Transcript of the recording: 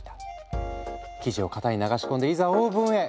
生地を型に流し込んでいざオーブンへ。